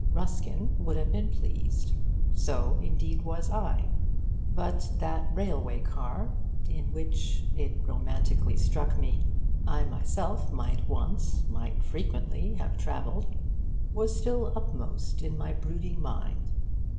Ruskin would have been pleased. So indeed was I; but that railway car (in which, it romantically struck me, I myself might once, might frequently, have travelled) was still upmost in my brooding mind.